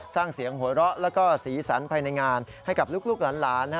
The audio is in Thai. สร้างเสียงหัวเราะแล้วก็สีสันภายในงานให้กับลูกหลาน